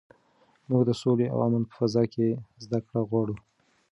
موږ د سولې او امن په فضا کې زده کړه غواړو.